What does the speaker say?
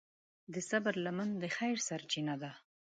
د صبر لمن د خیر سرچینه ده.